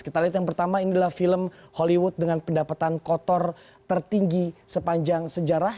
kita lihat yang pertama ini adalah film hollywood dengan pendapatan kotor tertinggi sepanjang sejarah